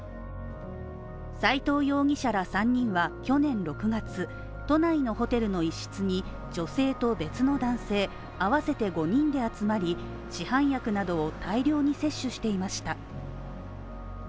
斎藤容疑者ら３人は去年６月都内のホテルの一室に女性と別の男性合わせて５人で集まり市販薬などを大量に摂取していました。